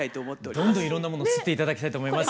どんどんいろんなものをすって頂きたいと思います。